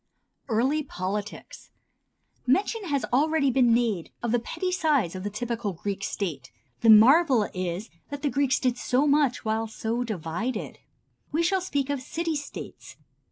Early Politics. Mention has already been made of the petty size of the typical Greek State. The marvel is that the Greeks did so much while so divided. We shall speak of "city states."